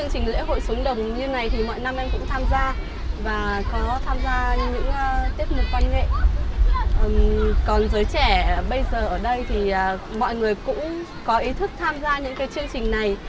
chương trình còn giới trẻ bây giờ ở đây thì mọi người cũng có ý thức tham gia những cái chương trình này